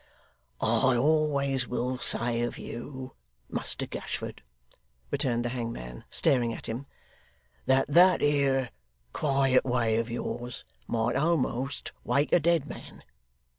'I always will say of you, Muster Gashford,' returned the hangman, staring at him, 'that that 'ere quiet way of yours might almost wake a dead man.